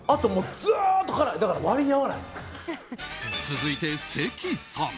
続いて関さん。